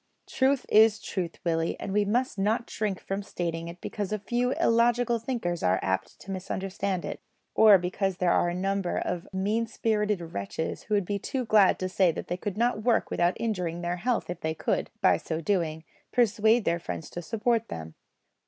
Truth is truth, Willie, and we must not shrink from stating it because a few illogical thinkers are apt to misunderstand it, or because there are a number of mean spirited wretches who would be too glad to say that they could not work without injuring their health if they could, by so doing, persuade their friends to support them.